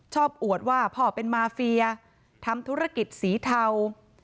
อวดว่าพ่อเป็นมาเฟียทำธุรกิจสีเทา